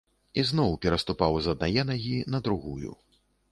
І зноў пераступаў з аднае нагі на другую.